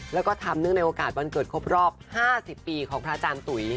แล้วก็ทำเนื่องในโอกาสวันเกิดครบรอบ๕๐ปีของพระอาจารย์ตุ๋ย